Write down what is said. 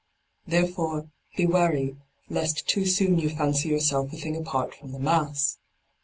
There fore, be wary lest too soon you fancy yourself a thing apart from the mass.